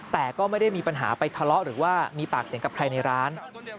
แต่ก็ไม่ได้มีปัญหาไปทะเลาะหรือว่ามีปากเสียงกับใครในร้าน